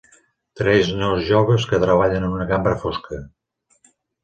Tres nois joves que treballen en una cambra fosca.